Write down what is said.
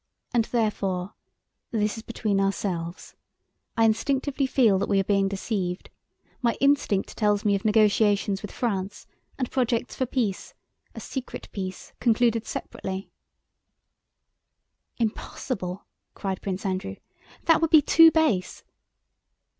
And therefore—this is between ourselves—I instinctively feel that we are being deceived, my instinct tells me of negotiations with France and projects for peace, a secret peace concluded separately." * Fine eyes. "Impossible!" cried Prince Andrew. "That would be too base."